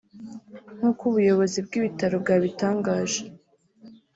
nk’uko ubuyobozi bw’ibitaro bwabitangaje